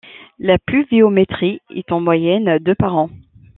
La pluviométrie est en moyenne de par an.